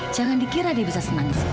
jangan dikira dia bisa senang